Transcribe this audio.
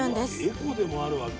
エコでもあるわけ？